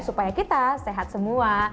supaya kita sehat semua